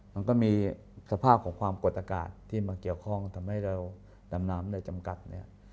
มันก็มีสภาพของความกดอากาศที่มาเกี่ยวข้องทำให้เราดำน้ำในจำกัดเนี่ย